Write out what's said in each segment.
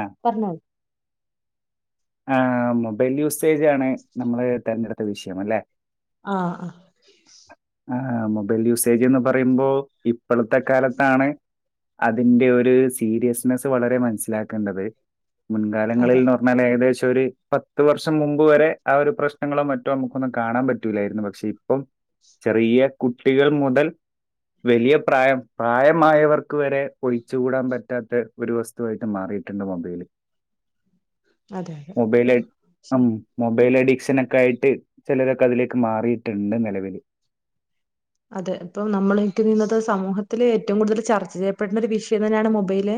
ആഹ്‌ പറഞ്ഞോ ആഹ്‌ മൊബൈൽ യൂസേജാണ് നമ്മള് തെരഞ്ഞെടുത്ത വിഷയം അല്ലെ? ആഹ് ആഹ് ആഹ്‌ ആഹ് മൊബൈൽ യൂസേജ് എന്ന് പറയുമ്പോ ഇപ്പളത്തെ കാലത്താണ് അതിന്റെ ഒരു സീരിയസ്നെസ്സ് വളരെ മനസ്സിലാക്കേണ്ടത് അതെ മുൻകാലങ്ങളിൽഎ ന്നാല് ഏകദേശം ഒര് പത്ത് വർഷം മുമ്പ് വരെ ആഹ് ഒരു പ്രശ്നങ്ങളോ മറ്റൊ നമുക്കൊന്ന് കാണാൻ പ റ്റൂലായിര്ന്ന് പക്ഷെ ഇപ്പം ചെറിയ കുട്ടികൾ മുതൽ വലിയ പ്രായം പ്രായമായവർക്ക് വരെ ഒഴിച്ചുകൂടാൻ പറ്റാത്തെ ഒരു വസ്തുവായിട്ട് മാറിയിട്ടൊണ്ട് മൊബൈല് അതെ അതെ മൊബൈല് അം ശരി. മൊബൈല് അഡിക്ഷനൊക്കായിട്ട് ചെലരൊക്ക അതിലേക്ക് മാറിയിട്ടൊണ്ട് നെലവില് അതെ ഇപ്പം നമ്മളേക്ക് നിന്നത് സമൂഹത്തില് ഏറ്റവും കൂടുതൽ ചർച്ച ചെയ്യപ്പെടുന്ന ഒരു വിഷയം തന്നെയാണ് മൊബൈല്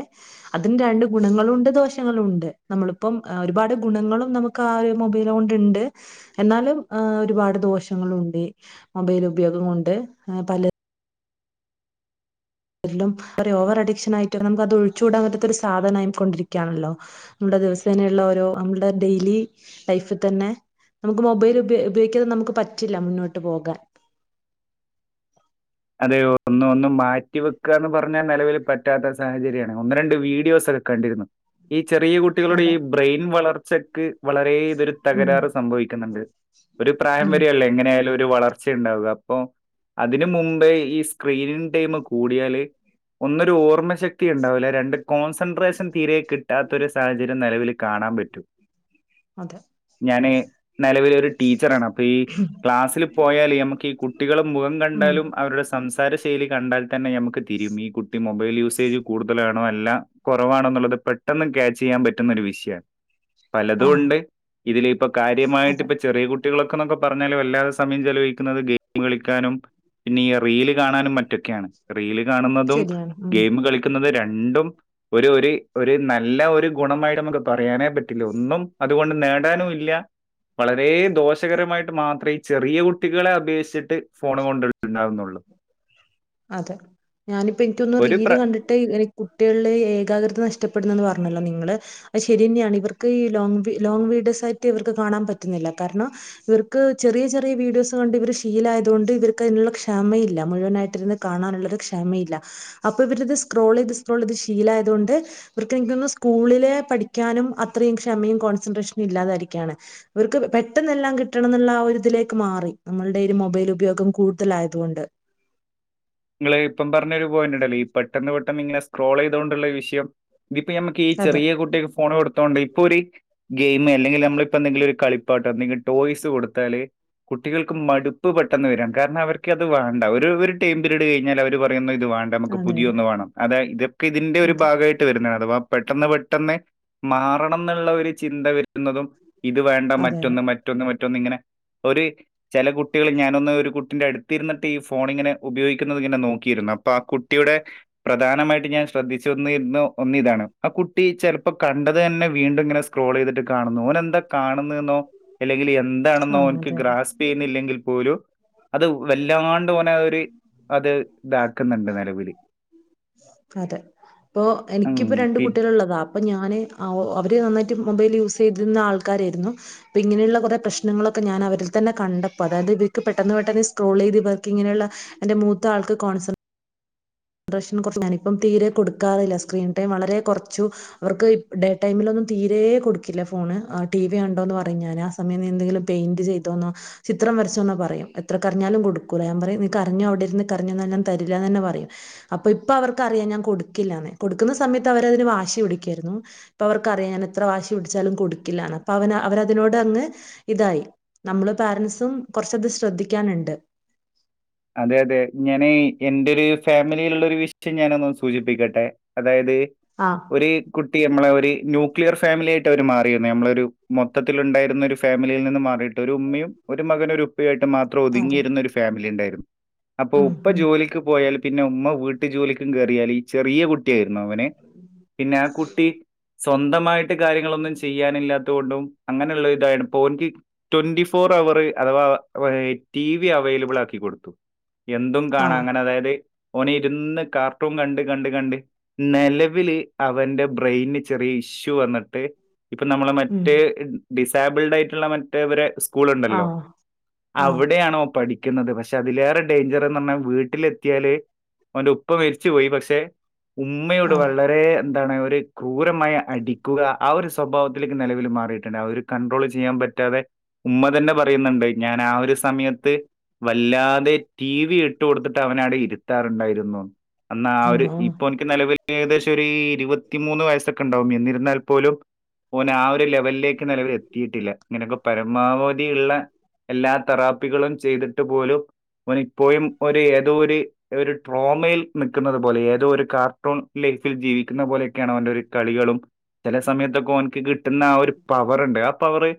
അതിന് രണ്ട് ഗുണങ്ങളും ഉണ്ട് ദോഷങ്ങളും ഉണ്ട് നമ്മളിപ്പം ആഹ് ഒരുപാട് ഗുണങ്ങളും നമു കാര്യം മൊബൈല് കൊണ്ടിണ്ട് എന്നാലും ആഹ് ഒരുപാട് ദോഷങ്ങളുണ്ട് മൊബൈല് ഉപയോഗം കൊണ്ട് ആഹ് പല രിലും ഒര് ഓവർ അഡിക്ഷനായിട്ട് നമുക്ക് അത് ഒഴിച്ചൂടാൻ പറ്റാത്തൊരു സാധനായി കൊണ്ടിരിക്കാണല്ലൊ നമ്മൽടെ ദെവസേനയുള്ള ഓരോ അമ്മൽടെ ഡെയിലി ലൈഫി തന്നെ നമുക്ക് മൊബൈൽ ഉപ ഉപയോഗിക്കാതെ നമുക്ക് പറ്റില്ല മുന്നോട്ട് പോകാൻ അതെ ഒന്ന് ഒന്ന് മാറ്റി വെക്കാന്ന് പറഞ്ഞാ നെലവില് പറ്റാത്ത സാഹചര്യാണ് ഒന്ന് രണ്ട് വീഡിയോസൊക്കെ കണ്ടിരുന്നു ഈ ചെറിയ കുട്ടികളുടെ അതെ ഈ ബ്രെയിൻ വളർച്ചക്ക് വളരേ ഇതൊരു ഉം തകരാറ് സംഭവിക്കുന്നൊണ്ട് ഒരു പ്രായം ഉം വരെ യൊള്ളെ എങ്ങനെ ആയാലും ഒരു വളർച്ച യുണ്ടാവുക അപ്പം അതിന് മു മ്പ് ഈ സ്ക്രീനിങ് ടൈമ് കൂടിയാല് ഒന്നൊരോർമ്മ ശക്തി ഉണ്ടാവൂല്ല രണ്ട് കോൺ സെൻട്രേഷൻ തീരെ കിട്ടാത്ത ഒരു സാഹചര്യം നെലവില് കാണാൻ പറ്റും. അതെ ഞാന് നെലവിലൊര് ടീച്ചറാണ് അപ്പൊ ഈ ക്ലാസ്സില് പോയാല് ഞമുക്കീ കുട്ടികളും മുഖം ഉം കണ്ടാലും അവരുടെ സംസാരശൈലി കണ്ടാൽ തന്നെ ഞമ്മക്ക് തിരിയും ഈ കുട്ടി മൊബൈൽ യൂസേജ് കൂടുതലാണൊ അല്ല- കൊറവാണെന്നുള്ളത് പെട്ടെന്ന് ക്യാച്ചെയ്യാൻ പറ്റുന്നൊരു വിഷ്യാണ് പലതും ആഹ് ഉണ്ട് ഇതില് ഇപ്പൊ കാര്യമായിട്ട് അതെ പ്പ ചെറിയ കു കുട്ടികളൊക്കന്നൊക്കെ പറഞ്ഞാലും വല്ലാതെ സമയം ചെലവഴിക്കുന്നത് ഗെയിമു കളിക്കാനും പിന്നെ ഈ റീല് കാണാനും മറ്റൊക്കെയാണ് റീല് കാണുന്നതും ശരിയാണ് ഉം ഗെയിമു കളിക്കുന്നത് രണ്ടും ഒരു ഒര് ഒരു നല്ല ഒര് ഗുണമായിട്ട മ്മക്ക് പറയാനേ പറ്റില്ല ഒന്നും അതുകൊണ്ട് നേടാനുവില്ല വളരേ ദോഷകരമായിട്ട് മാത്രേ ഈചെറിയ കുട്ടികളെ അപേക്ഷിച്ചിട്ട് ഫോണും കൊണ്ട് ഇണ്ടാവുന്നൊള്ള് അതെ ഞാനിപ്പൊ എനിക്കൊന്ന് ഒരു പ്ര റീല് കണ്ട് ട്ട് കുട്ടികളിലെ ഏകാഗ്രത നഷ്ടപ്പെടുനെന്ന് പറഞ്ഞല്ലൊ നിങ്ങള്- അത് ശരിയന്നെയാണ് ഇവർക്ക് ഈ ലോങ്ങ് വീ ലോങ്ങ് വീഡിയോസായിട്ട് ഇവർക്ക് കാണാൻ പറ്റുന്നില്ല കാരണം ഇവർക്ക് ചെറിയ ചെറിയ വീഡിയോസ് കണ്ട് ഇവര് ശീലായതോണ്ട് ഇവർക്കയ്നുള്ള ക്ഷമയില്ല മുഴുവനായിട്ടിരുന്ന് കാണാനുള്ളൊരു ക്ഷമയില്ല അപ്പൊ ഇവരിത് സ്ക്രോളെയ്ത് സ്ക്രോളെയ്ത് ശീലായതോണ്ട് ഇവർക്ക് എനിക്ക് തോന്നുന്നു സ്കൂളിലെ പഠിക്കാനും അത്രയും ക്ഷമയും കോൺസെൻട്രേഷനും ഇല്ലാതായിരിക്കുകയാണ് അവർക്ക് പെട്ടെന്ന് എല്ലാം കിട്ടണം എന്നുള്ള ആഒരുതിലേക്ക് മാറി നമ്മൾടെ രു മൊബൈൽ ഉപയോഗം കൂടുതലായതുകൊണ്ട് ഇങ്ങള് ഇപ്പം പറഞ്ഞൊരു പോയിന്റ്ണ്ടല്ലൊ ഈ പെട്ടന്ന് പെട്ടന്ന് ഇങ്ങനെ സ്ക്രോളയ്തേണ്ടുള്ള വിഷയം ഇതിപ്പൊ ഞമ്മക്ക് ഈ അതെ ചെറിയകുട്ടിക്ക് ഫോണ് കൊടുത്തോണ്ട് ഇപ്പൊര് ഗെയിമ് അല്ലെങ്കിൽ നമ്മളിപ്പ എന്തെങ്കിലും ഒരു കളിപ്പാട്ടം എന്തെങ്കിലിൽ ടോയ്സ് കൊടുത്താല് കുട്ടികൾക്ക് മട്പ്പ് പെട്ടെന്ന് വരാം കാരണം അവർക്ക് അത് വേണ്ട ഒരു ഒരു ടൈം പിരട് കഴിഞ്ഞാൽ അവര് പറയുന്ന ഇത് വേണ്ട നമുക്ക് അതെ അതെ പുതിയൊന്ന് വേണം അതെ ഇതൊക്കെ ഇതിന്റെ ഒരു അതെ ഭാഗമായി ട്ട് വരുന്നതാ അഥവാ പെട്ടന്ന് പെട്ടന്ന് മാറണംന്ന്ള്ളൊരു ചിന്ത വര് ന്നതും ഇത് വേണ്ട അതെ അതെ മറ്റൊന്ന് മറ്റൊന്ന് മറ്റൊന്ന് ഇങ്ങനെ ഒര് ചെല കുട്ടികൾ ഞാനൊന്ന് ഒരു കുട്ടിന്റെ അടുത്തിരുന്നട്ട് ഈ ഫോണിങ്ങനെ ഉപയോഗിക്കുന്നത്ങ്ങനെ നോക്കിയിരുന്നു അപ്പൊ ആ കുട്ടിയുടെ പ്രധാനമായിട്ട് ഞാൻ ശ്രദ്ധിച്ചുരുന്ന ഒന്ന് ഇതാണ് ആ കുട്ടി ചെലപ്പോ കണ്ടത് തന്നെ വീണ്ടും ഇങ്ങനെ സ്ക്രോളയ്തിട്ട് കാണുന്നു ഓനന്താ കാണുന്ന്ന്നോ അല്ലെങ്കില് ആ എന്താണെന്നോ ഓൻക്ക് അതെ അതെ ഗ്രാസ് യ്യുന്നില്ലെങ്കിൽ പോലും അത് വല്ലാണ്ട് ഓനെ അഒര് അതെ ഇതാക്കുന്നുണ്ട് നിലവില് അതെ അപ്പൊ ഉം. എനിക്കിപ്പോ രണ്ട് പി കുട്ടികളുള്ളതാ ഇപ്പം ഞാന് അവര് നന്നായിട്ട് മൊബൈല് യൂസയ്തിരുന്ന ആൾക്കാരായിരുന്നു ഇപ്പ ഇങ്ങനെയുള്ള കൊറേ പ്രശ്നങ്ങളൊക്കെ ഞാന് അവരിൽ തന്നെ കണ്ടപ്പോ അതായത് ഇവർക്ക് പെട്ടെന്ന് പെട്ടന്ന് സ്ക്രോളെയ്ത് ഇവ ഇങ്ങനെയുള്ള എന്റെ മൂത്ത ആൾക്ക് കോൺസെപ് [unintelligible] ഞാനിപ്പം തീരെ കൊടുക്കാറില്ല സ്ക്രീൻ ടൈം വളരെ കൊറച്ചു അവർക്ക് ഡേ ടൈമിലൊന്നും തീരേ കൊടുക്കില്ല ഫോണ് ടി വി കണ്ടോ പറയും ഞാനാ സ മയം എന്തെങ്കിലും പെയിന്റ് ചെയ്തോന്നോ ചിത്രം വരച്ചോന്ന പറയും എത്ര കരഞ്ഞാലും കൊടുക്കൂല ഞാ പറയും നീക്കരഞ്ഞോ അവിടിരുന്ന് കരഞ്ഞോ ഇന്നാ തരില്ലാനെന്നെ പറയും അപ്പം ഇപ്പ അവർക്ക് അറിയാം ഞാൻ കൊടുക്കില്ലാന്ന് കൊടുക്കുന്ന സമയത്ത് അവരതിന് വാശി പിടിക്കായിരുന്നു ഇപ്പ അവർക്ക് അറിയ ഞാനെത്ര വാശി പിടിച്ചാലും കൊടുക്കില്ലാണ് ഇപ്പ അവനാ അവരതിനോട് അങ്ങ് ഇതായി നമ്മള് പോരൻസും കൊറച്ചത് ശ്രദ്ധിക്കാനുണ്ട് അതെ അതെ ഞാനേ എൻ്റൊര് ഫാമിലിയിലുള്ള ഒരു വിഷയം ഞാനൊന്ന് സൂചിപിക്കട്ടെ അതായത് ആഹ് ഒരു കുട്ടി യമ്മളെ ഒരു ന്യൂക്ലിയർ ഫാമിലി ആയിട്ട് അവർ മാറിയിരുന്നു നമ്മളൊരു മൊത്തത്തിലുണ്ടായിരുന്നൊരു ഫാമിലിയിൽ നിന്ന് മാറിയിട്ടൊരു ഉമ്മയും ഒരു മകനും ഒരു ഉപ്പയും ആയിട്ട് ഉപ്പയായിട്ട് മാത്രം അതെ ഒതുങ്ങിയിരുന്നൊരു ഫാമിലി ഇണ്ടായിരുന്നു അപ്പൊ ഉം ഉപ്പ ഉം ജോലിക്ക് പോയാലും പിന്നെ ഉമ്മ വീട്ട് ജോലിക്കും കേറിയാല് ഈ ചെറിയ കു ട്ടിയായിരുന്നു അവന് പിന്നെ ആ കുട്ടി സ്വന്തമായിട്ട് കാര്യങ്ങളൊന്നും ചെയ്യാനില്ലാ ത്തോണ്ടും അങ്ങനെയുള്ള ഇതായണ്ട് ഇപ്പ ഓൻക്ക് twenty four hour അധവാ [unintelligible] T V available ആകി കൊടുത്തു എന്തും ആ കാണാ അങ്ങനെ അതായത് ഓന് ഇരുന്ന് കാർട്ടൂൺ കണ്ട് കണ്ട് കണ്ട് നെലവില് അവന്റെ ബ്രെയിന് ചെറിയ ഇഷ്യൂ വന്നിട്ട് ഇപ്പ നമ്മള് ഉം മറ്റേ ഡിസബിൾഡ് ആയിട്ടുള്ള മ റ്റേ ഇവരെ സ്കൂൾ ആ ഉണ്ടല്ലോ ആഹ് അവിടെയാണ് ഓൻ പഠിക്കുന്നത് പക്ഷെ അതില് ഡേൻജർ എന്ന് പറഞ്ഞാ വീട്ടിലെത്തിയാല് അവന്റെ ഉപ്പ മരിച്ചു പോയി പക്ഷെ ഉമ്മയോട് ആഹ് വളരെ എന്താണ് ഓര് ക്രൂരമായി അടിക്കുക ആ ഒരു സ് സ്വഭാവത്തിലേക്ക് നിലവിൽ മാറിയിട്ടുണ്ട് അവര് കൺട്രോൾ ചെയ്യാൻ പറ്റാതെ ഉമ്മ തന്നെ പറയുന്നുണ്ട് ഞാൻ ആ ഒരു സമയത്ത് വല്ലാതെ ടി വി ഇട്ടു കൊടുത്തിട്ട് അവനെ അവിടെ ഇരുത്താറുണ്ടായിരുന്നുന്ന് അന്ന് ആ ഒര് ആഹ് ആഹ് ഇപ്പോന്ക്ക് ക്ക് നെലവില് ഏകദേശം ഒര് ഈ ഇരുപത്തിമൂന്ന് വയസ്സൊക്കെ ഇണ്ടാവും എന്നിരുന്നാൽ പോലും ഓന് ആ ഒരു ലെവലിലേക്ക് നെലവില് എത്തിയിട്ടില്ല ഇങ്ങനെയൊക്കെ പരമാവധി ഇള്ള എല്ലാ തെറാപ്പികളും ചെയ്തിട്ട് പോലും ഓന് ഇപ്പോഴും ഒരു ഏതോ ഒര് ഏതോ ഒരു ട്രോമയിൽ നിക്ക്ന്നത് പോലെ ഏതോ ഒരു കാർട്ടൂൺ ലൈഫിൽ ജീവിക്കുന്ന പോലെയൊക്കെയാണ് അവന്റെ ഒരു കളികളും ചെല സമയത്തൊക്കെ ഓന്ക്ക് കിട്ടുന്ന ആ ഒരു പവറുണ്ട് ആ പവറ്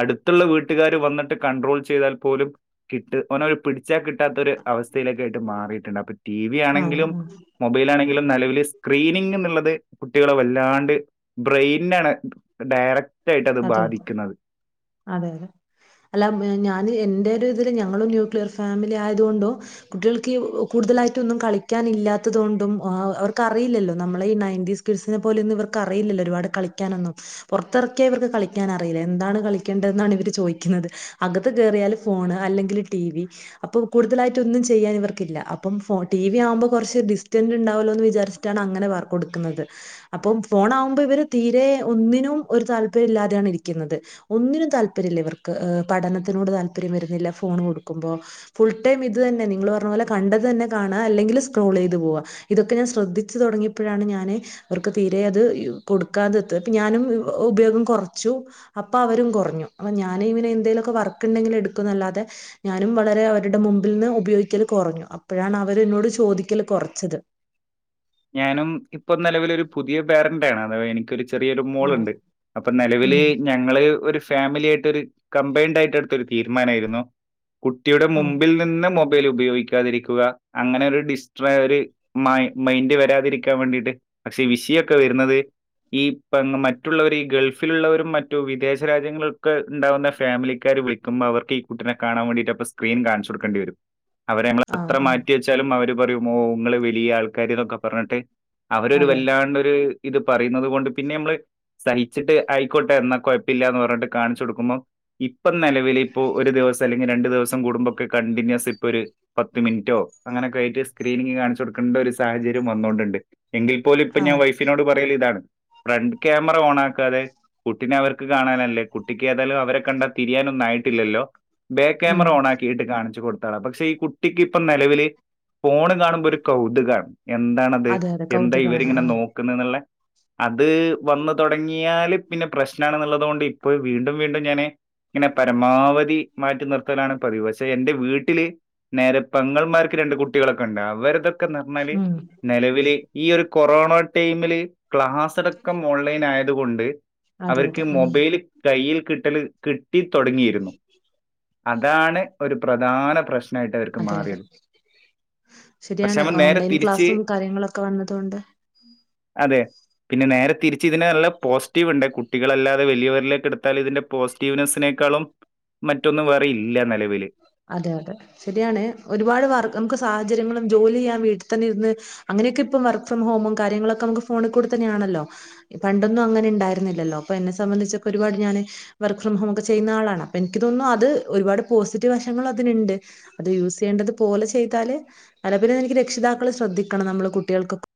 അടുത്തുള്ള വീട്ടുകാര് വന്നിട്ട് കൺട്രോൾ ചെയ്താൽ പോലും കിട്ട് ഓന് ആ ഒരു പിടി ച്ചാ കിട്ടാത്തൊരു അവസ്ഥയിലെക്കെ ആയിട്ട് മാറിയിട്ടുണ്ട് അപ്പൊ ടി വി ആഹ് ആണെങ്കിലും ആഹ് മൊബൈലാണെങ്കിലും നെലവല് സ്ക്രീനിംഗ് ന്ന്ള്ളത് കുട്ടികളെ വല്ലാണ്ട് ബ്രെയിനാണ് ഡയറക് അതെ അതെ അതേലേ അല്ല ഉം ഏഹ് ഞാന് എൻ്റെ ഒരു ഇതില് ഞങ്ങള് ന്യൂക്ലിയർ ഫാമിലി ആയതുകൊണ്ടും കുട്ടികൾക്ക് ഈ കൂടുതലായിട്ട് ഒന്നും കളിക്കാൻ ഇല്ലാത്തതുകൊണ്ടും അവർക്ക് അറിയില്ലാല്ലോ നമ്മള് ഈ നയൻറ്റീസ് കിട്സിനെ പോലെ ഒന്നും ഇവർക്ക് അറിയില്ലാലോ ഒരുപാട് കളിക്കാനൊന്നും പൊറത്തെറ ക്കിയ ഇവർക്ക് കളിക്കാനറിയില്ല എന്താണ് കളിക്കേണ്ടതെന്നാണ് ഇവര് ചോയിക്കുന്നത് അകത്ത് കേറിയാല് ഫോണ് അല്ലെങ്കില് ടി വി അപ്പൊ കൂടുതലായിട്ട് ഒന്നും ചെയ്യാൻ ഇർക്കില്ല അപ്പം ഫോ ടി വി ആവുമ്പോ കൊറച്ച് ഡിസ്റ്റൻസ് ഇണ്ടാവല്ലോന്ന് വിചാരിച്ചി ട്ടാണ് അങ്ങനെ വർക്ക് കൊടുക്കുന്നത് അപ്പം ഫോണാവുമ്പോ ഇവര് തീരെ ഒന്നിനും ഒരു താല് പര്യം ഇല്ലാതെയാണ് ഇരിക്കുന്നത് ഒന്നിനും താല്പര്യല്ല ഇവർക്ക് പഠനത്തിനോട് താല്പര്യം വരുന്നില്ല ഫോണ് കൊടുക്കുമ്പം ഫുൾ ടൈം ഇത് തന്നെ നിങ്ങള് പറഞ്ഞ പോലെ കണ്ടത് തന്നെ കാണാ അല്ലെങ്കിൽ സ്ക്രോൾ ചെയ്ത് പോവാ ഇതൊക്കെ ഞാൻ ശ്രദ്ധിച്ചു തൊടങ്ങിയപ്പോഴാണ് ഞാന് അവർക്ക് തീരെ അത് കൊടുക്കാത്തത് ഇപ്പം ഞാനും ഉപയോഗം കൊറച്ചു അപ്പം അവരും കൊറഞ്ഞു അപ്പൊ ഞാന് ഇവനെ എന്തേലൊക്കെ വർക്ക് ഇണ്ടെങ്കിൽ എടുക്കുന്നല്ലാതെ ഞാനും വളരെ അവര്ടെ മുമ്പിൽ നിന്ന് ഉപയോഗിക്കല് കൊറഞ്ഞു അപ്പോഴാണ് അവര് ഇന്നോട് ചോദിക്കല് കൊറച്ചത് ഞാനും ഇപ്പം നെലവിലൊരു പുതിയ പാരൻ്റ് ആണ് അധവാ എനി ക്കെരു ചെറിയൊരു ആ മോള് ഇണ്ട് അപ്പം നെലവില് ഉം ഞങ്ങള് ഒരു ഫാമിലി ആയിട്ടൊരു കമ്പൈൻഡ് ആയിട്ട് എട്ത്തൊരു തീരുമാനമായിരുന്നു കുട്ടിയുടെ ആ മുമ്പിൽ നിന്ന് മൊ ബൈല് ഉപയോഗിക്കാതിരിക്കുക അങ്ങനെ ഒരു ഡിസ്ട്ര ഒരു മൈ മൈൻ ഡ് വരാതിരിക്കാൻ വേണ്ടിട്ട് പക്ഷെ വിഷയൊക്കെ വരുന്നത് ഈ പെങ്ങമ മറ്റുള്ളവര് ഗൾഫിലുള്ളവരും മറ്റു വിദേശ രാജ്യങ്ങളിലൊക്കെ ഇണ്ടാവുന്ന ഫാമിലിക്കാര് വിളി ക്കുമ്പോ അവർക്ക് ഈ കുട്ടിനെ കാണാൻ വേണ്ടിട്ട് അപ്പ സ്ക്രീൻ കാണിച്ചു കൊടുക്കേണ്ടിവരും അവരെ നമ്മള് ആ എത്ര ആ മാറ്റി വെച്ചാലും അവര് പറയും ഓഹ് നിങ്ങള് വലിയ ആൾക്കാര് ഇതൊക്കെ പറഞ്ഞിട്ട് അവരൊരു അതെ വല്ലാണ്ട് ഒരു ഇത് പറയുന്നത് കൊണ്ട് പിന്നെ നമ്മള് സഹിച്ചിട്ട് അയിക്കോട്ടെ ന്നാ കൊഴപ്പില്ലാന്ന് പറഞ്ഞിട്ട് കാണിച്ചു കൊടുക്കുമ്പം ഇപ്പം നെലവില് ഇപ്പോ ഒരു ദിവസം അല്ലെങ്കിൽ രണ്ടു ദിവസം കൂടുമ്പോക്കെ കണ്ടിന്യൂസ് ഇപ്പൊ ഒര് പത്ത് മിനിറ്റോ അങ്ങനെയൊക്കെ ആയിട്ട് സ്ക്രീനിങ് കാണിച്ച് കൊടുക്കേണ്ട ഒരു സാഹച ര്യം വന്നോണ്ട് ണ്ട് എങ്കിൽ പോലും ഇപ്പൊ ഞാൻ ആഹ് വൈഫിനോട് പറയല് ഇതാണ് ഫ്രണ്ട് ക്യാമറ ഓണാക്കാതെ കുട്ടിനെ അവർക്ക് കാണാനല്ലേ കുട്ടിക്ക് ഏതായാലും അവരെ കണ്ടാൽ തിരിയാനൊന്നു ആയിട്ടില്ലല്ലോ ഉം ബേക്യാമറ ഓണാക്കിയിട്ട് കാണിച്ചു കൊടുത്താള പക്ഷെ ഈ കുട്ടിക്ക് ഇപ്പം നെലവില് ഫോണ് കാണുമ്പോ ഒരു കൗതുകാണ് എന്താണത് അതെ അതെ എന്താ കൗതുകാണ് ഇവരിങ്ങനെ ആഹ് നോ- ക്ക്ന്നേന്ന്ള്ളെ അത് വന്ന് തൊടങ്ങി യാല് പിന്നെ പ്രശ്നാണ്ന്നുള്ളത് കൊണ്ട് ഇപ്പോ വീണ്ടും വീണ്ടും ഞാന് ഇങ്ങനെ പരമാവധി മാറ്റി നിർത്തലാണ് പതിവ് പക്ഷെ എന്റെ വീട്ടില് നേരെ പെങ്ങൾമാര്ക്ക് രണ്ട് കുട്ടികളൊക്കെ ഇണ്ട് അവര്ത് ഞ്ഞാല് ഉം നിലവില് ഈ ഒരു കൊറോണ ടൈമില് ക്ലാസ് അടക്കം ഓൺലൈൻ ആയതുകൊണ്ട് അതെ അവർക്ക് അതെ ഉം മൊബൈൽ കൈയിൽ കിട്ടൽ കിട്ടിത്തൊടങ്ങിയിരുന്നു അതാണ് ഒരു പ്രധാന പ്രശ്നം മായിട്ട് അവർക്ക് അതെ അതെ മാറിയത് പക്ഷെ ആകുമ്പോൾ നേരെ തിരിച്ച് ക്ലാസും കാര്യങ്ങളൊക്കെ വന്നതുകൊണ്ട് അതെ പിന്നെ നേരെ തിരിച്ച് ഇതിന് നല്ല പോസിറ്റീവ് ഉണ്ട് കുട്ടികളല്ലാതെ വലിയവരിലേക്ക് എടുത്താ ഇതിന്റെ പോസിറ്റീവ് സ്റ്റീവനസിനേക്കാളും മറ്റൊന്നും വേറെയില്ല നിലവില് അതെ അതെ ശരിയാണ് ഒരുപാട് വർക്ക് നമുക്ക് സാഹചര്യങ്ങളും ജോലി ചെയ്യാൻ വീട്ടിൽ തന്നെ ഇരുന്ന് അങ്ങനെയൊക്കെ ഇപ്പം വർക്ക് ഫ്രം ഹോമും കാര്യങ്ങളക്കെ നമുക്ക് ഫോണിൽ കൂടി തന്നെയാണല്ലോ പണ്ടൊന്നും അങ്ങനെ ഉണ്ടായിരുന്നില്ലല്ലോ അപ്പൊ എന്നെ സംബന്ധിച്ചൊക്കെ ഒരുപാട് ഞാന് വർക്ക് ഫ്രം ഹോം ഒക്കെ ചെയ്യുന്ന ആളാണ് അപ്പൊ എനിക്ക് തോന്നുന്നു അത് ഒരുപാട് പോസി റ്റീവ് വശങ്ങൾ അതിനുണ്ട് അത് യൂസ് ചെയ്യേണ്ടത് പോലെ ചെയ്താല് അല്ലേൽ പിന്നെ എനിക്ക് രക്ഷിതാക്കൾ ശ്രദ്ധിക്കണം നമ്മള് കുട്ടികൾക്കൊക്കെ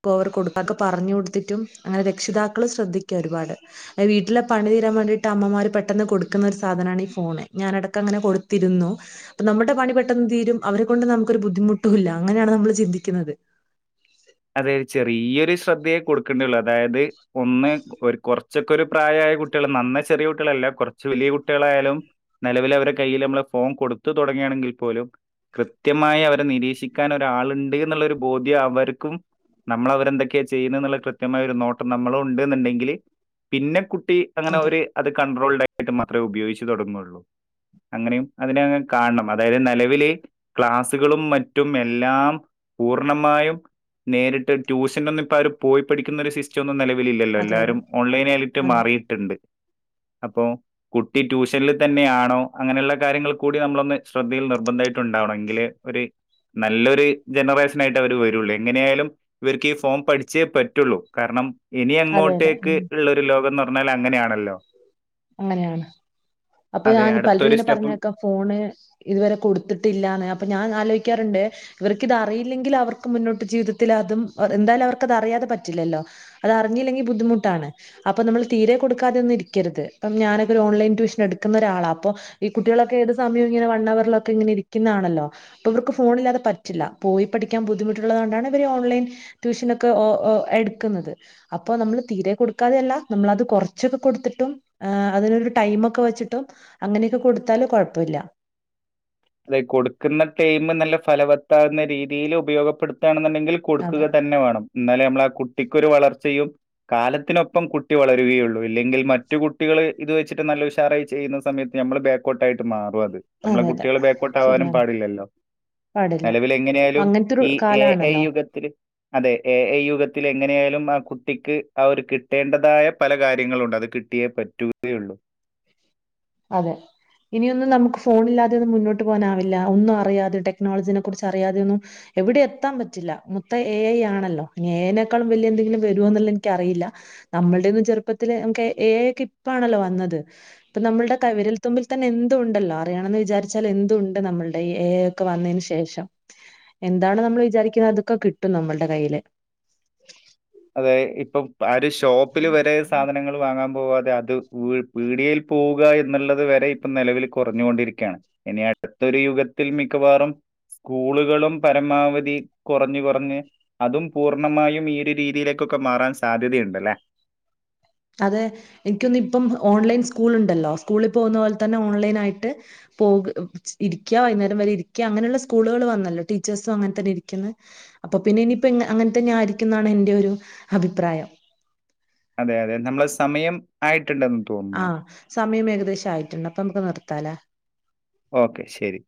ഇപ്പോ ഓവർ കൊടുത്തിട്ടും ഒക്കെ പറഞ്ഞു കൊടുത്തിട്ടും അങ്ങനെ രക്ഷിതാക്കൾ ശ്രദ്ധിക്ക ഒരുപാട് അതീ വീട്ടിലെ പണി തീരാൻ വേണ്ടിയിട്ട് അമ്മമാര് പെട്ടെന്ന് കൊടുക്കുന്നൊ ഒരു സാധനാണ് ഈ ഫോണ് ഞാനടക്കം അങ്ങനെ കൊടുത്തിരുന്നു അപ്പം നമ്മുടെ പണി പെട്ടെന്ന് തീരും അവരെ കൊണ്ട് നമുക്കൊരു ബുദ്ധിമുട്ട് ഇല്ല അങ്ങനെയാണ് നമ്മൾ ചിന്തിക്കുന്നത് അതായത് ചെറിയൊരു ശ്രദ്ധയെ കൊടുക്കേണ്ടേതുള്ളു അതായത് ഒന്ന് ഒരു കുറച്ച് ഒക്കെ ഒരു പ്രായമായ കുട്ടികൾ നന്നേ ചെറിയ കുട്ടികളല്ല കുറച്ച് വലിയ കുട്ടികളായാലും നിലവിൽ അവരുടെ കയ്യിൽ നമ്മള് ഫോൺ കൊടുത്തു തുടങ്ങുകയാണെങ്കിൽ പോലും കൃത്യമായി അവരെ നിരീക്ഷിക്കാൻ ഒരാളുണ്ട് എന്നുള്ളൊരു ബോധ്യം അവർക്കും നമ്മൾ അവരെന്തൊക്കെയാ ചെയ്യുന്നത് എന്നുള്ള കൃത്യമായ ഒരു നോട്ടം നമ്മൾ ഉണ്ട്ന്നുണ്ടെങ്കിൽ പിന്നെ കുട്ടി അങ്ങനെ അതെ ഒരു അത് കൺട്രോൾഡായിട്ട് മാത്രമേ ഉപയോഗിച് തൊടങ്ങുള്ളൂ അങ്ങനെയും അതിനെ കാണണം അതായത് നിലവില് ക്ലാസുകളും മറ്റും എല്ലാം പൂർണമായും നേരിട്ട് ട്യൂഷന് ഒന്നും ഇപ്പൊ അവര് പോയി പഠിക്കുന്ന ഒരു സിസ്റ്റം ന്നും നിലവിലില്ലല്ലോ അതെ അതെ എല്ലാരും ഓൺലൈന് ആയിട്ട് അതെ മാറിയിട്ടുണ്ട് അപ്പോ കുട്ടി ട്യൂഷനിൽ തന്നെയാണോ അങ്ങനെയുള്ള കാര്യങ്ങൾ കൂടി നമ്മളൊന്ന് ശ്രദ്ധയിൽ നിർബന്ധമായിട്ടുണ്ടാവണം എങ്കില് ഒരു നല്ലൊരു ജനറേഷൻ ആയിട്ട് അവര് വരുള്ളു എങ്ങനെയായാലും ഇവർക്ക് ഈ ഫോൺ പഠിച്ചേ പറ്റുള്ളൂ കാരണം ഇനി അതെ അതെ അങ്ങോട്ടേക്ക് ഉം ഉള്ള ലോകം എന്ന് പറഞ്ഞാൽ അങ്ങനെയാണല്ലോ അങ്ങനെയാണ് അപ്പൊ അതെ ഞാൻ പലരും അടുത്തൊരു ഇങ്ങനെ സ്റ്റെപ്പും പറഞ്ഞ കേക്കാം ഫോണ് ഇതുവരെ കൊടുത്തിട്ടില്ലാന്ന് അപ്പൊ ഞാൻ ആലോചിക്കാറുണ്ട് ഇവർക്കിത് അറിയില്ലെങ്കിൽ അവർക്ക് മുന്നോട്ട് ജീവിതത്തിൽ അതും എന്തായാലും അവർക്ക് അത് അറിയാതെ പറ്റില്ലല്ലോ അത് അറിഞ്ഞല്ലെങ്കിൽ ബുദ്ധിമുട്ടാണ് അപ്പൊ നമ്മൾ തീരെ കൊടുക്കാതെ ഒന്നും ഇരിക്കരുത് അപ്പം ഞാനൊക്കെ ഒരു ഓൺലൈൻ ട്യൂഷൻ എടുക്കുന്ന ഒരാളാ അപ്പോൾ ഈ കുട്ടികളൊക്കെ ഏത് സമയം ഇങ്ങനെ വൺ അവറിലൊക്കെ ഇങ്ങനെ ഇരിക്കുന്നതാണല്ലോ അപ്പൊ അവർക്ക് ഫോണില്ലാതെ പറ്റില്ല പോയി പഠിക്കാൻ ബുദ്ധിമുട്ടുള്ളത് കൊണ്ടാണ് ഇവര് ഓൺലൈൻ ട്യൂഷനൊക്കെ എടുക്കുന്നത് അപ്പൊ നമ്മള് തീരെ കൊടുക്കാതെയല്ല നമ്മള് അത് കുറച്ചൊക്കെ കൊടുത്തിട്ടും ആഹ് അതിനൊരു ടൈമൊക്കെ വെച്ചിട്ടും അങ്ങനെയൊക്കെ കൊടുത്താല് കുഴപ്പമില്ല അതെ കൊടുക്കുന്ന ടൈമ് നല്ല ഫലവത്താവുന്ന രീതിയിൽ ഉപയോഗപ്പെടുത്തുവാണന്നുണ്ടെങ്കിൽ അതെ കൊടുക്കുക തന്നെ വേണം എന്നാലെ നമ്മള് ആ കുട്ടിക്കൊരു വളർച്ചയും കാലത്തിനൊപ്പം കുട്ടി വളരുകയുള്ളൂ ഇല്ലെങ്കിൽ മറ്റു കുട്ടികള് ഇത് വെച്ചിട്ട് നല്ല ഉഷാറായി ചെയ്യുന്ന സമയത്ത് നമ്മള് ബെക്കോട്ടായിട്ടുമാറും അത് അതെ അതെ ബേപ്പോട്ട് ആവാനും ശരിയാണ് പാടില്ലല്ലോ പാടില്ല നിലവിൽ എങ്ങനെയെലും അങ്ങനത്തൊരു ഈ ഏ കാലാണല്ലോ ഐയും [unintelligible] അതെ എ ഐ യുഗത്തിൽ എങ്ങനെയെലും ആ കുട്ടിക്ക് ആ ഒരു കിട്ടേണ്ടതായ പല കാര്യങ്ങളുണ്ട് അത് കി കുട്ടിയെ പറ്റുകയുള്ളൂ അതെ ഇനിയൊന്നും നമുക്ക് ഫോണില്ലാതെ മുന്നോട്ട് പോകാനാവില്ല ഒന്നും അറിയാതെ ടെക്നോളജിനെ കുറിച്ച് അറിയാതെ ഒന്നും എവിടെയും എത്താൻ പറ്റില്ല മൊത്തം ഏ ഐ ആണല്ലോ ഇനി ഏ ഐ നേക്കാളും വലിയ എന്തെങ്കിലും വരുവോ എന്നുള്ളത് എനിക്ക് അറിയില്ലാ നമ്മടെയെന്നും ചെറുപ്പത്തിലെ നമുക്ക് ഏ ഐ ക്കെ ഇപ്പാണല്ലോ വന്നത് ഇപ്പൊ നമ്മളുടെ വിരൽ തുമ്പിൽ തന്നെ എന്തുംഉണ്ടല്ലോ അറിയണെന്ന് വിചാരിച്ചാൽ എന്തു ഉണ്ട് നമ്മളുടെ ഏ ഐ ഒക്കെ വന്നതിന് ശേഷം എന്താണ് നമ്മൾ വിചാരിക്കുന്നത് അതൊക്കെ കിട്ടും നമ്മളുടെ കയ്യില് അതെ ഇപ്പം ആ ഒരു ഷോപ്പില് വരെ സാധനങ്ങൾ വാങ്ങാൻ പോവാതെ അത് ഗൂഗിൾ വീഡിയയിൽ പോവുക എന്നുള്ളത് വരെ ഇപ്പൊ നിലവിൽ കെറഞ്ഞുകൊണ്ടിരിക്കുകയാണ് ഇനി അടുത്തൊരു യുഗത്തിൽ മിക്കവാറും സ്ക്കൂളുകളും പരമാവധി കെറഞ്ഞ് കെറഞ്ഞ് അതും പൂർണമായും ഈ ഒരു രീതി രീതിയിലേക്കൊക്കെ മാറൻ സാധ്യതയുണ്ടല്ലേ അതെ എനിക്ക് തോന്നിയിപ്പം ഓൺലൈൻ സ്കൂൾ ഉണ്ടല്ലോ സ്കൂളിൽ പോകുന്ന പോലെ തന്നെ ഓൺലൈൻ ആയിട്ട് പോക ഇരിക്ക വൈകുന്നേരം വരെ ഇരിക്ക അങ്ങനെയുള്ള സ്കൂളുകൾ വന്നല്ലോ ടീച്ചേഴ്സ് അങ്ങനെ തന്നെ ഇരിക്കുന്ന അപ്പൊ പിന്നെ ഇനിയിപ്പോ അങ്ങനത്തന്നെ ആയിരിക്കും എന്നാണ് എന്റെ ഒരു അഭിപ്രായം അതെ അതെ നമ്മള് സമയം ആയിട്ടുണ്ടെന്ന് തോന്നുന്നു. ആഹ് സമയം ഏകദേശം ആയിട്ടുണ്ട് അപ്പൊ നമുക്ക് നിർത്താലാ ഒക്കെ ശരി